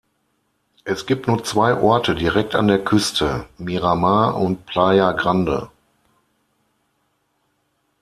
Es gibt nur zwei Orte direkt an der Küste, Miramar und Playa Grande.